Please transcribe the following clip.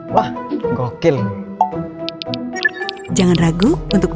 wah gokil jangan ragu untuk